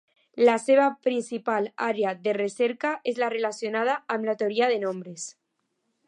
La seva principal àrea de recerca és la relacionada amb la teoria de nombres.